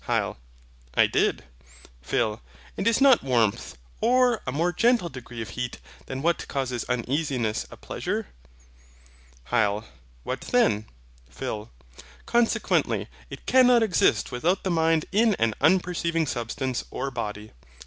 HYL. I did. PHIL. And is not warmth, or a more gentle degree of heat than what causes uneasiness, a pleasure? HYL. What then? PHIL. Consequently, it cannot exist without the mind in an unperceiving substance, or body.